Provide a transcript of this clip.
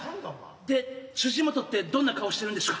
で辻本ってどんな顔してるんでしゅか？